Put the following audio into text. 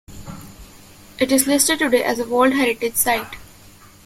It is listed today as a World Heritage Site.